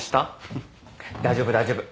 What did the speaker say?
フッ大丈夫大丈夫。